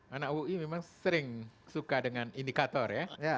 karena ui memang sering suka dengan indikator ya